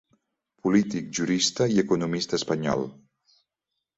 Polític, jurista i economista espanyol.